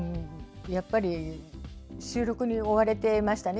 やっぱり収録に追われていましたね。